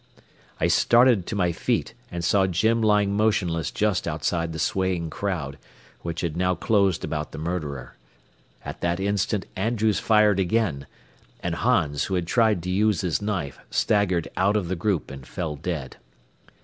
I started to my feet and saw Jim lying motionless just outside the swaying crowd, which had now closed about the murderer. At that instant Andrews fired again, and Hans, who had tried to use his knife, staggered out of the group and fell dead.